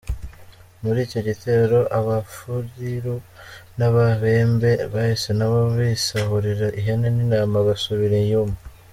Muri icyo gitero abafuliru n’ababembe bahise nabo bisahurira ihene n’intama basubira iyuma.